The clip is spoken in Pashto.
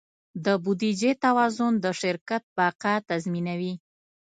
د بودیجې توازن د شرکت بقا تضمینوي.